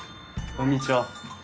こんにちは。